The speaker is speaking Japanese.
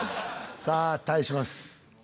さあ対します